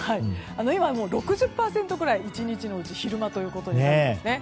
今、６０％ぐらい１日のうち昼間ということになっているんですね。